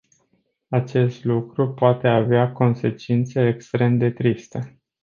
Acest lucru poate avea consecințe extrem de triste.